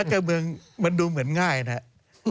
การเมืองมันดูเหมือนง่ายนะครับ